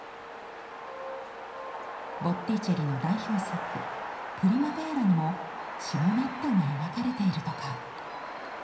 ボッティチェリの代表作「プリマヴェーラ」にもシモネッタが描かれているとか。